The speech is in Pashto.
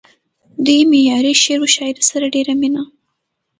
دوي معياري شعر و شاعرۍ سره ډېره مينه